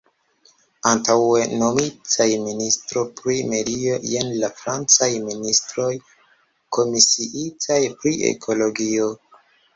Antaŭe nomitaj "ministro pri medio", jen la francaj ministroj komisiitaj pri ekologio.